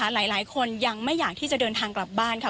หลายคนยังไม่อยากที่จะเดินทางกลับบ้านค่ะ